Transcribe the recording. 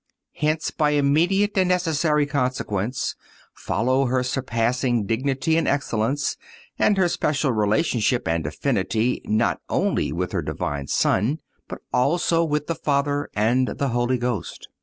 Hence, by immediate and necessary consequence, follow her surpassing dignity and excellence, and her special relationship and affinity, not only with her Divine Son, but also with the Father and the Holy Ghost.